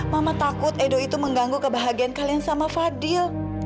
mama takut edo itu mengganggu kebahagiaan kalian sama fadil